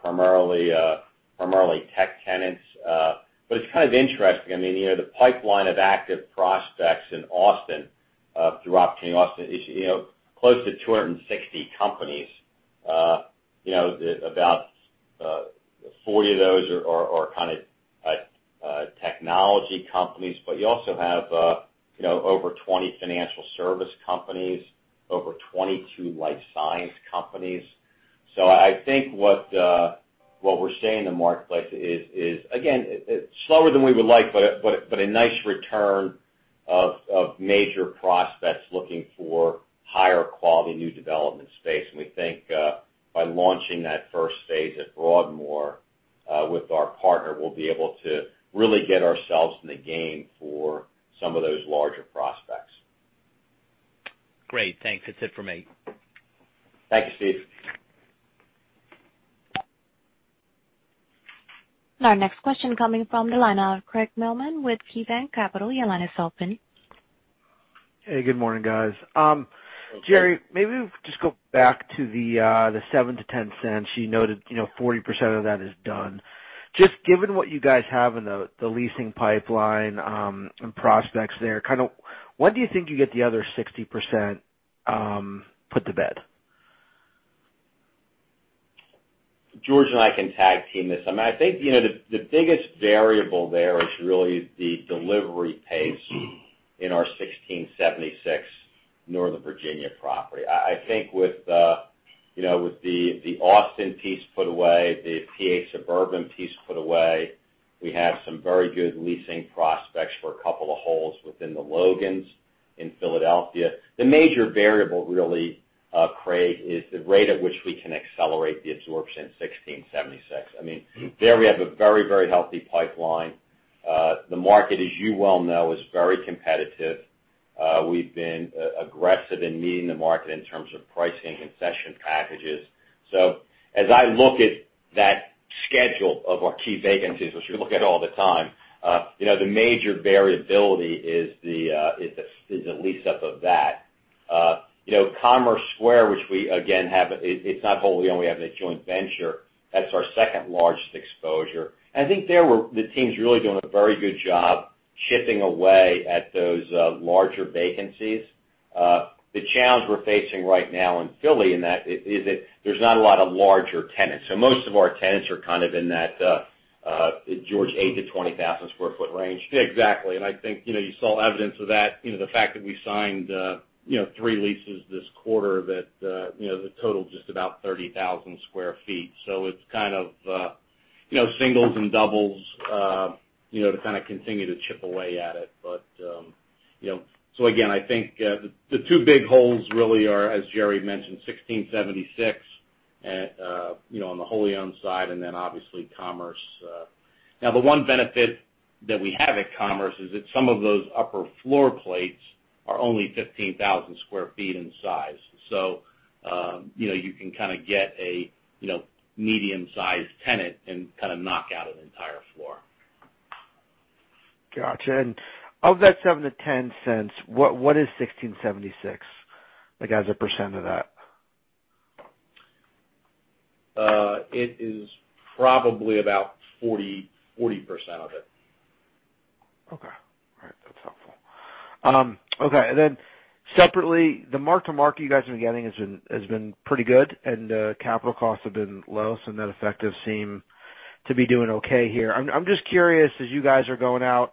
Primarily tech tenants. But it's kind of interesting. I mean, you know, the pipeline of active prospects in Austin throughout Austin is, you know, close to 260 companies. About 40 of those are kind of technology companies, but you also have, you know, over 20 financial service companies, over 22 life science companies. So I think what we're seeing in the marketplace is again, it's slower than we would like, but a nice return of major prospects looking for higher quality new development space. We think, by launching that first phase at Broadmoor, with our partner, we'll be able to really get ourselves in the game for some of those larger prospects. Great. Thanks. That's it for me. Thank you, Steve. Our next question coming from the line of Craig Mailman with Citigroup. Your line is open. Hey, good morning, guys. Okay. Jerry, maybe just go back to the $0.07-$0.10. You noted, you know, 40% of that is done. Just given what you guys have in the leasing pipeline and prospects there, kind of when do you think you get the other 60% put to bed? George and I can tag team this. I mean, I think you know the biggest variable there is really the delivery pace in our 1676 Northern Virginia property. I think with you know with the Austin piece put away, the PA suburban piece put away, we have some very good leasing prospects for a couple of holes within Logan Square in Philadelphia. The major variable really Craig is the rate at which we can accelerate the absorption at 1676. I mean, there we have a very very healthy pipeline. The market, as you well know, is very competitive. We've been aggressive in meeting the market in terms of pricing concession packages. As I look at that schedule of our key vacancies, which we look at all the time, the major variability is the lease up of that. Commerce Square, which we again have, it's not wholly owned, we have a joint venture. That's our second-largest exposure. I think there the team's really doing a very good job chipping away at those larger vacancies. The challenge we're facing right now in Philly in that is that there's not a lot of larger tenants. Most of our tenants are kind of in that George, 8-20,000 sq ft range. Exactly. I think, you know, you saw evidence of that, you know, the fact that we signed, you know, 3 leases this quarter that, you know, they total just about 30,000 sq ft. It's kind of, you know, singles and doubles, you know, to kind of continue to chip away at it. I think, the two big holes really are, as Gerard mentioned, 1676 at, you know, on the wholly owned side, and then obviously Commerce. Now the one benefit that we have at Commerce is that some of those upper floor plates are only 15,000 sq ft in size. You know, you can kind of get a, you know, medium-sized tenant and kind of knock out an entire floor. Gotcha. Of that $0.07-$0.10, what is $16.76, like, as a percent of that? It is probably about 40% of it. Okay. All right. That's helpful. Okay. Separately, the mark-to-market you guys have been getting has been pretty good, and capital costs have been low, so net effective seem to be doing okay here. I'm just curious, as you guys are going out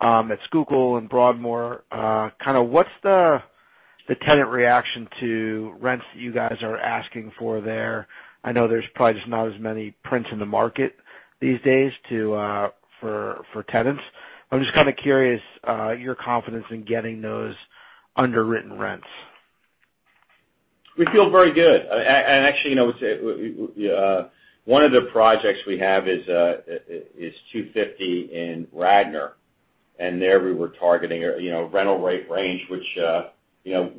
at Schuylkill and Broadmoor, kind of what's the tenant reaction to rents that you guys are asking for there? I know there's probably just not as many prospects in the market these days for tenants. I'm just kind of curious, your confidence in getting those underwritten rents. We feel very good. Actually, you know, it's one of the projects we have is 250 in Radnor, and there we were targeting, you know, rental rate range, which, you know,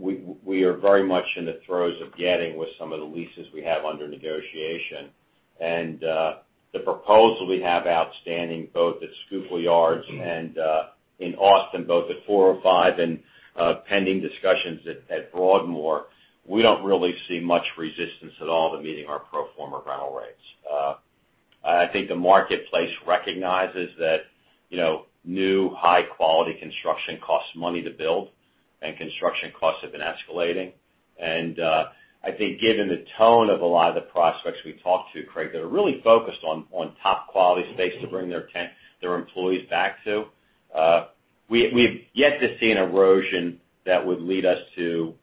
we are very much in the throes of getting with some of the leases we have under negotiation. The proposal we have outstanding, both at Schuylkill Yards and in Austin, both at 405 and pending discussions at Broadmoor, we don't really see much resistance at all to meeting our pro forma rental rates. I think the marketplace recognizes that, you know, new high quality construction costs money to build and construction costs have been escalating. I think given the tone of a lot of the prospects we've talked to, Craig, that are really focused on top quality space to bring their employees back to, we've yet to see an erosion that would lead us to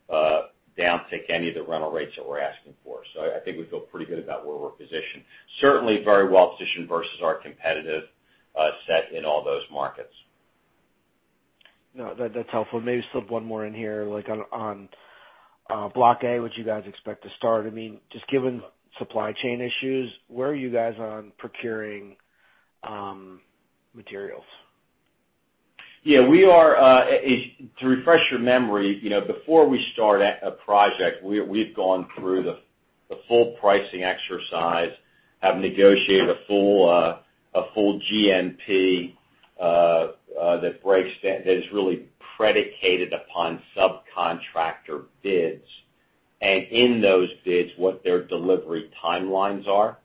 down-tick any of the rental rates that we're asking for. I think we feel pretty good about where we're positioned. Certainly very well positioned versus our competitive set in all those markets. No, that's helpful. Maybe slip one more in here, like on block A, would you guys expect to start? I mean, just given supply chain issues, where are you guys on procuring materials? To refresh your memory, you know, before we start a project, we've gone through the full pricing exercise, have negotiated a full GMP that breaks down. That is really predicated upon subcontractor bids. In those bids, what their delivery timelines are.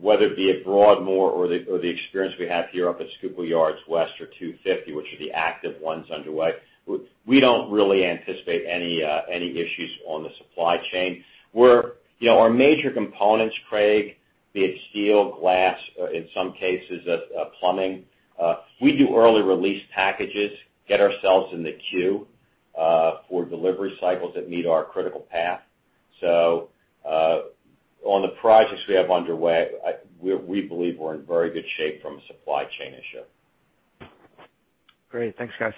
Whether it be at Broadmoor or the experience we have here up at Schuylkill Yards West or 250, which are the active ones underway, we don't really anticipate any issues on the supply chain. We are, you know, our major components, Craig, be it steel, glass, or in some cases, plumbing, we do early release packages, get ourselves in the queue for delivery cycles that meet our critical path. On the projects we have underway, we believe we're in very good shape from a supply chain issue. Great. Thanks, guys.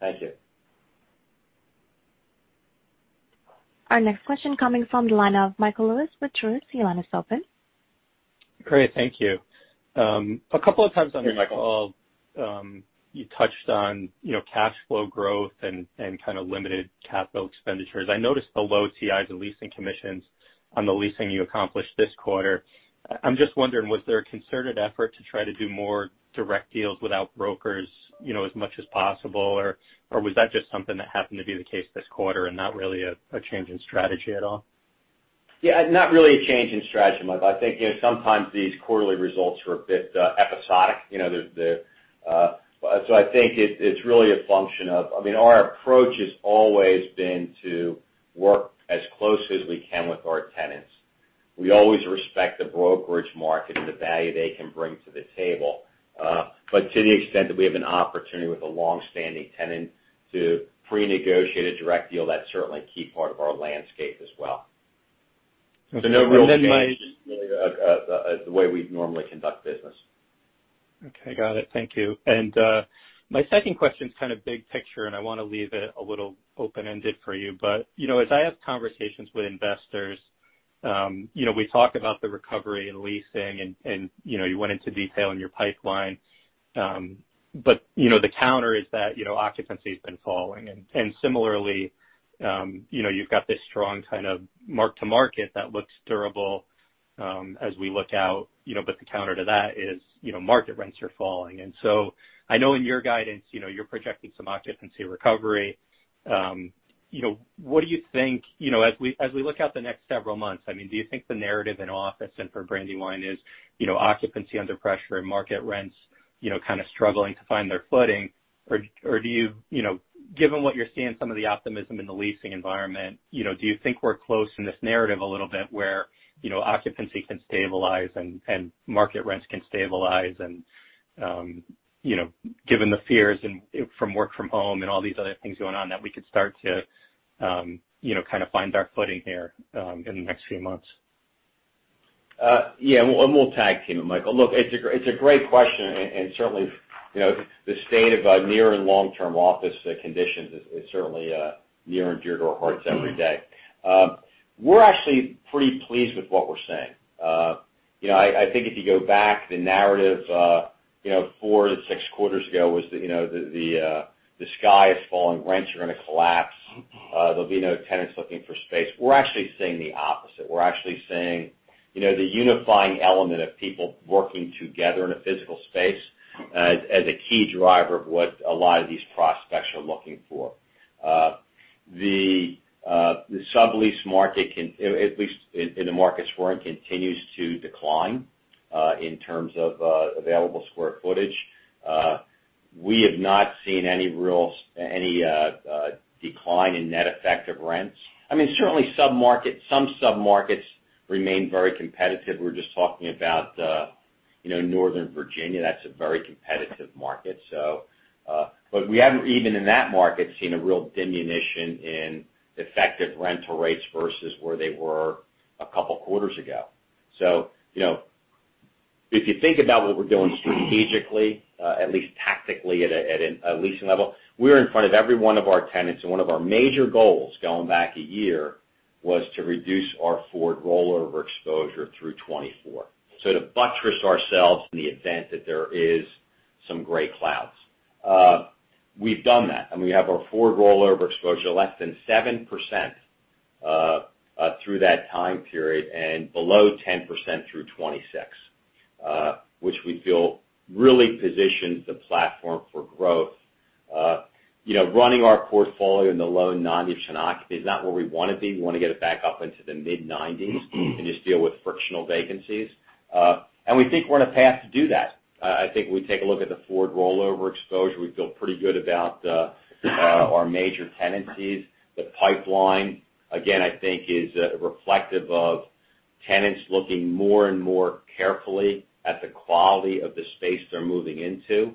Thank you. Our next question coming from the line of Michael Lewis with Truist. Your line is open. Great. Thank you. A couple of times on the call. Hey, Michael. You touched on, you know, cash flow growth and kind of limited capital expenditures. I noticed the low TIs and leasing commissions on the leasing you accomplished this quarter. I'm just wondering, was there a concerted effort to try to do more direct deals without brokers, you know, as much as possible, or was that just something that happened to be the case this quarter and not really a change in strategy at all? Yeah. Not really a change in strategy, Mike. I think, you know, sometimes these quarterly results are a bit episodic. I think it's really a function of, I mean, our approach has always been to work as close as we can with our tenants. We always respect the brokerage market and the value they can bring to the table. To the extent that we have an opportunity with a long-standing tenant to pre-negotiate a direct deal, that's certainly a key part of our landscape as well. Okay. No real change, just really the way we normally conduct business. Okay. Got it. Thank you. My second question's kind of big picture, and I wanna leave it a little open-ended for you. You know, as I have conversations with investors, you know, we talk about the recovery and leasing and, you know, you went into detail in your pipeline. You know, the counter is that, you know, occupancy's been falling. Similarly, you know, you've got this strong kind of mark-to-market that looks durable, as we look out, you know, but the counter to that is, you know, market rents are falling. I know in your guidance, you know, you're projecting some occupancy recovery. What do you think, you know, as we look out the next several months, I mean, do you think the narrative in office and for Brandywine is, you know, occupancy under pressure and market rents, you know, kind of struggling to find their footing? Or do you know, given what you're seeing, some of the optimism in the leasing environment, you know, do you think we're closing in on this narrative a little bit where, you know, occupancy can stabilize and market rents can stabilize? You know, given the fears from work from home and all these other things going on, that we could start to, you know, kind of find our footing here in the next few months? We'll tag team it, Michael. Look, it's a great question, and certainly, you know, the state of near and long-term office conditions is certainly near and dear to our hearts every day. We're actually pretty pleased with what we're seeing. You know, I think if you go back, the narrative, you know, four to six quarters ago was that, you know, the sky is falling, rents are gonna collapse. There'll be no tenants looking for space. We're actually seeing the opposite. We're actually seeing, you know, the unifying element of people working together in a physical space as a key driver of what a lot of these prospects are looking for. The sublease market can at least in the markets we're in continues to decline in terms of available square footage. We have not seen any real decline in net effective rents. I mean, certainly some submarkets remain very competitive. We're just talking about you know Northern Virginia. That's a very competitive market. But we haven't even in that market seen a real diminution in effective rental rates versus where they were a couple quarters ago. You know, if you think about what we're doing strategically at least tactically at a leasing level, we're in front of every one of our tenants, and one of our major goals going back a year was to reduce our forward rollover exposure through 2024. To buttress ourselves in the event that there is some gray clouds. We've done that, and we have our forward rollover exposure less than 7% through that time period and below 10% through 2026, which we feel really positions the platform for growth. You know, running our portfolio in the low 90s in occupancy is not where we wanna be. We wanna get it back up into the mid-90s. Just deal with frictional vacancies. We think we're on a path to do that. I think if we take a look at the forward rollover exposure, we feel pretty good about our major tenancies. The pipeline, again, I think is reflective of tenants looking more and more carefully at the quality of the space they're moving into.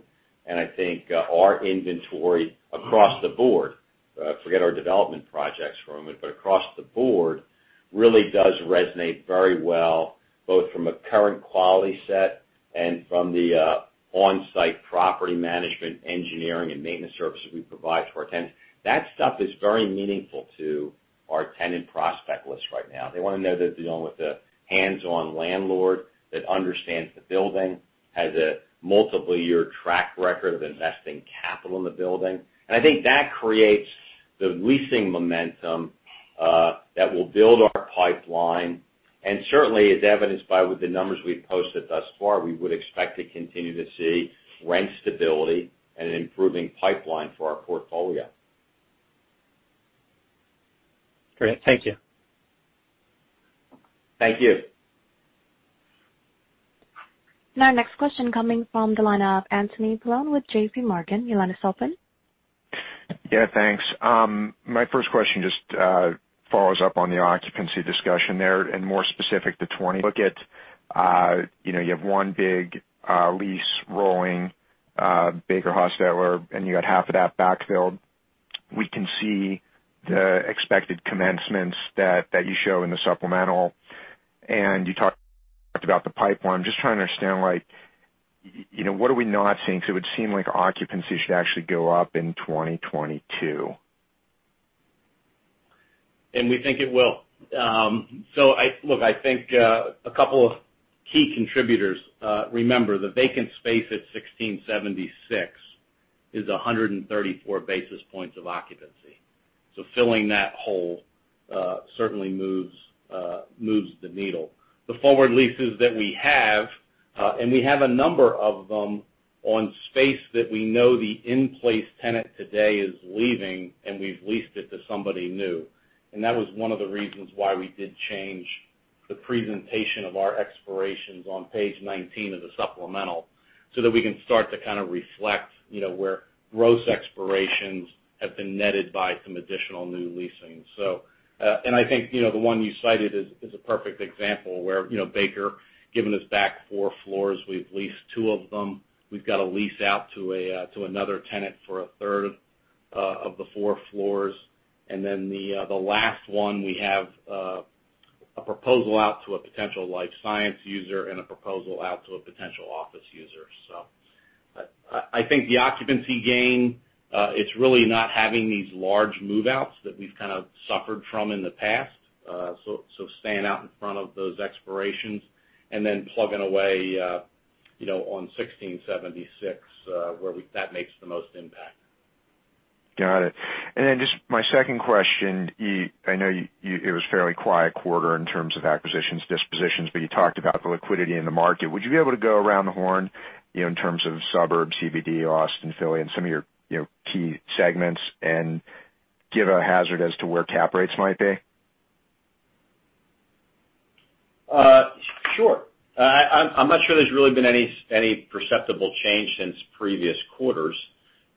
I think our inventory across the board, forget our development projects for a moment, but across the board really does resonate very well, both from a current quality set and from the on-site property management, engineering, and maintenance services we provide to our tenants. That stuff is very meaningful to our tenant prospect list right now. They wanna know they're dealing with a hands-on landlord that understands the building, has a multiple year track record of investing capital in the building. I think that creates the leasing momentum that will build our pipeline. Certainly, as evidenced by the numbers we've posted thus far, we would expect to continue to see rent stability and an improving pipeline for our portfolio. Great. Thank you. Thank you. Our next question coming from the line of Anthony Paolone with JPMorgan. Your line is open. Yeah, thanks. My first question just follows up on the occupancy discussion there, and more specific to look at you have one big lease rolling, BakerHostetler, and you got half of that backfilled. We can see the expected commencements that you show in the supplemental, and you talked about the pipeline. Just trying to understand, like, you know, what are we not seeing? It would seem like occupancy should actually go up in 2022. We think it will. I think a couple of key contributors, remember, the vacant space at 1676 is 134 basis points of occupancy. Filling that hole certainly moves the needle. The forward leases that we have, and we have a number of them on space that we know the in-place tenant today is leaving, and we've leased it to somebody new. That was one of the reasons why we did change the presentation of our expirations on page 19 of the supplemental, so that we can start to kind of reflect, you know, where gross expirations have been netted by some additional new leasing. I think the one you cited is a perfect example where, you know, Baker giving us back four floors, we've leased two of them. We've got a lease out to another tenant for a third of the four floors. The last one, we have a proposal out to a potential life science user and a proposal out to a potential office user. I think the occupancy gain, it's really not having these large move-outs that we've kind of suffered from in the past. Staying out in front of those expirations and then plugging away, you know, on 1676. That makes the most impact. Got it. Just my second question, I know it was fairly quiet quarter in terms of acquisitions, dispositions, but you talked about the liquidity in the market. Would you be able to go around the horn, you know, in terms of suburbs, CBD, Austin, Philly, and some of your, you know, key segments and give us a read as to where cap rates might be? Sure. I'm not sure there's really been any perceptible change since previous quarters.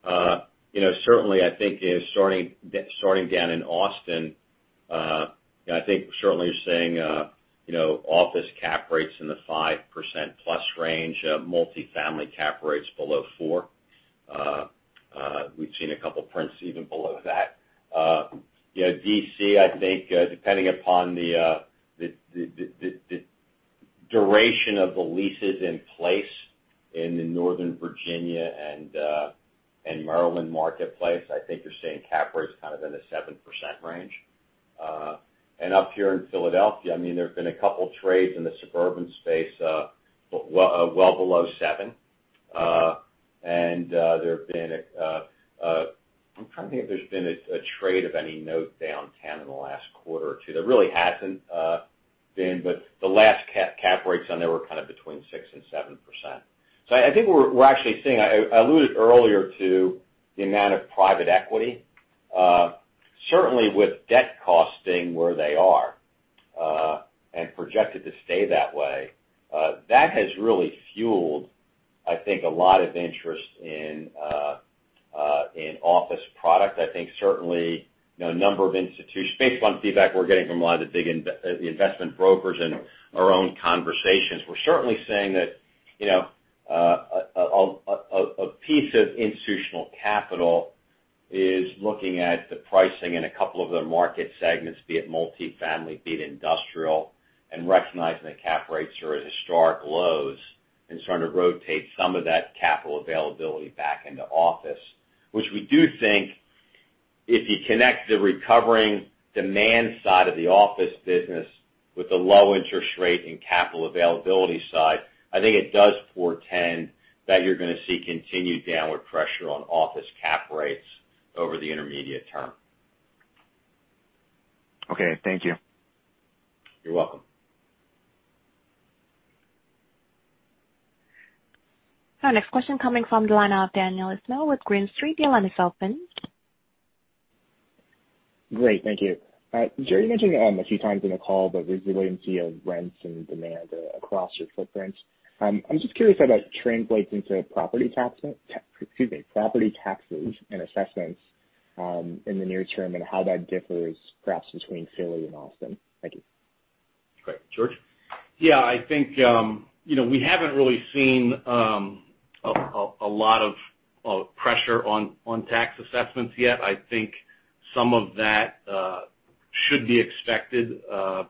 You know, certainly I think starting down in Austin, you know, I think certainly you're seeing, you know, office cap rates in the 5%+ range, multifamily cap rates below 4%. We've seen a couple prints even below that. You know, D.C., I think, depending upon the duration of the leases in place in the Northern Virginia and Maryland marketplace, I think you're seeing cap rates kind of in the 7% range. And up here in Philadelphia, I mean, there have been a couple trades in the suburban space, well below 7%. I'm trying to think if there's been a trade of any note downtown in the last quarter or two. There really hasn't been, but the last cap rates on there were kind of between 6%-7%. I think we're actually seeing. I alluded earlier to the amount of private equity. Certainly with debt costs being where they are and projected to stay that way, that has really fueled, I think, a lot of interest in office product. I think certainly, you know, a number of institutions, based upon feedback we're getting from a lot of the big investment brokers and our own conversations, we're certainly seeing that, you know, a piece of institutional capital is looking at the pricing in a couple of their market segments, be it multifamily, be it industrial, and recognizing that cap rates are at historic lows and starting to rotate some of that capital availability back into office. Which we do think if you connect the recovering demand side of the office business with the low interest rate and capital availability side, I think it does portend that you're gonna see continued downward pressure on office cap rates over the intermediate term. Okay, thank you. You're welcome. Our next question coming from the line of Daniel Ismail with Green Street. The line is open. Great. Thank you. Jerry, you mentioned a few times in the call the resiliency of rents and demand across your footprint. I'm just curious how that translates into property taxes and assessments in the near term, and how that differs perhaps between Philly and Austin. Thank you. Great. George? Yeah. I think we haven't really seen a lot of pressure on tax assessments yet. I think some of that should be expected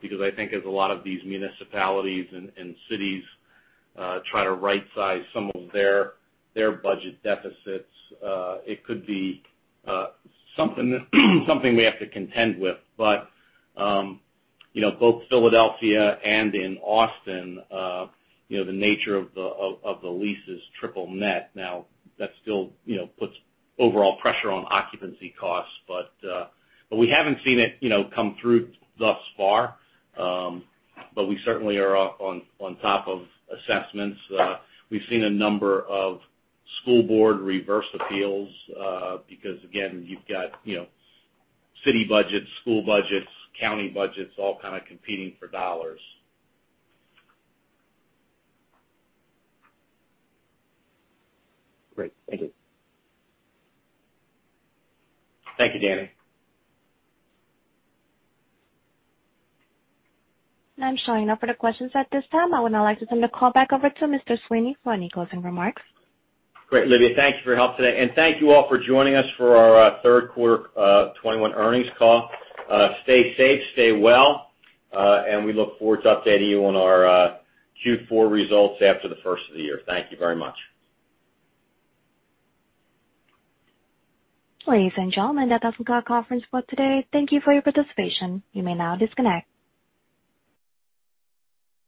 because I think as a lot of these municipalities and cities try to right size some of their budget deficits, it could be something that we have to contend with. You know, both Philadelphia and in Austin, you know, the nature of the leases triple net now that still, you know, puts overall pressure on occupancy costs. We haven't seen it, you know, come through thus far. We certainly are up on top of assessments. We've seen a number of school board reverse appeals, because again, you've got, you know, city budgets, school budgets, county budgets, all kind of competing for dollars. Great. Thank you. Thank you, Danny. I'm showing no further questions at this time. I would now like to turn the call back over to Mr. Sweeney for any closing remarks. Great, Olivia. Thank you for your help today, and thank you all for joining us for our third quarter 2021 earnings call. Stay safe, stay well, and we look forward to updating you on our Q4 results after the first of the year. Thank you very much. Ladies and gentlemen, that does conclude our conference call today. Thank you for your participation. You may now disconnect.